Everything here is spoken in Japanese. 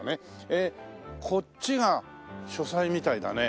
こっちが書斎みたいだね。